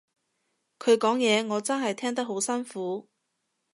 佢講嘢我真係聽得好辛苦